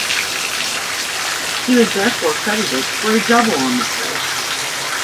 He was therefore credited for a double on the play.